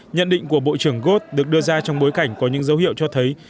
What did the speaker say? nhận định của bộ trưởng got được đưa ra trong bối cảnh có những dấu hiệu cho thấy